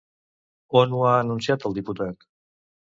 On ho ha anunciat el diputat?